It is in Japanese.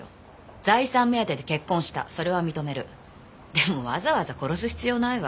でもわざわざ殺す必要ないわ。